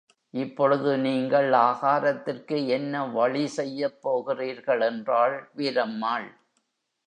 இப்பொழுது நீங்கள் ஆகாரத்திற்கு என்ன வழி செய்யப் போகிறீர்கள் என்றாள் வீரம்மாள்.